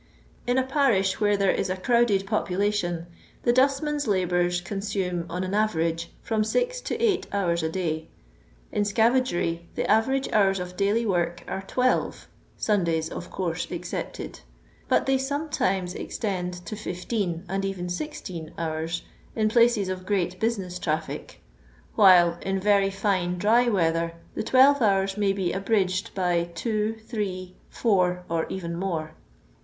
In a parish where there is a crowded popuUi tion, the dustman's labours consume, on an average, from six to eight hours a day. In scavagery, the average hours of daily work are twelve (Sundays of course excepted), but they some times extended to fifteen, and even sixteen hours, in places of great business trafiic; while in very fino dry weather, the twelve hours may be abridged by two, three, four, or even more.